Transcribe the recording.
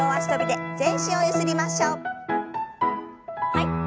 はい。